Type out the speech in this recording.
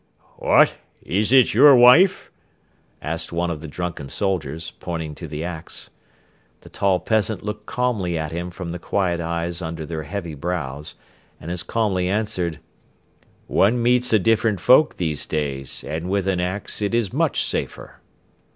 "What? Is it your wife?" asked one of the drunken soldiers, pointing to the ax. The tall peasant looked calmly at him from the quiet eyes under their heavy brows and as calmly answered: "One meets a different folk these days and with an ax it is much safer."